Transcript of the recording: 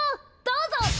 どうぞ！